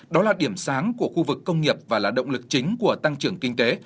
đó là điểm sáng của khu vực công nghiệp và là động lực chính của tăng trưởng kinh tế